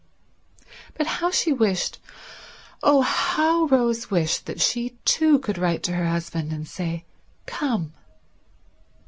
But how she wished, oh how Rose wished, that she too could write to her husband and say "Come."